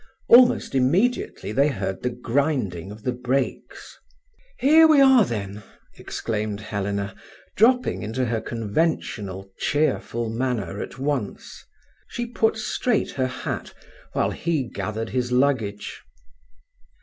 Almost immediately they heard the grinding of the brakes. "Here we are, then!" exclaimed Helena, dropping into her conventional, cheerful manner at once. She put straight her hat, while he gathered his luggage.